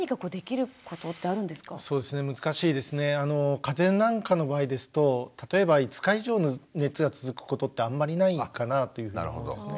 風邪なんかの場合ですと例えば５日以上の熱が続くことってあんまりないかなというふうに思うんですね。